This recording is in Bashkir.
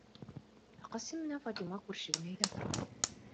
Ә Ҡасим менән Фатима күрше генә өйҙә торалар.